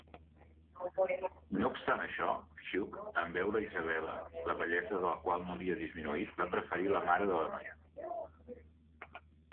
No obstant això, Hugh, en veure Isabella, la bellesa de la qual no havia disminuït, va preferir la mare de la noia.